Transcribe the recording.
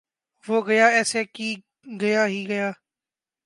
وہ گیا ایسا کی گیا ہی گیا